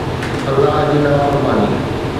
الله جي نافرماني